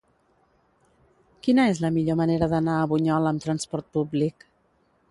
Quina és la millor manera d'anar a Bunyola amb transport públic?